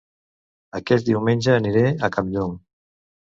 Aquest diumenge aniré a Campllong